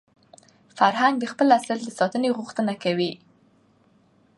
فرهنګ د خپل اصل د ساتني غوښتنه کوي.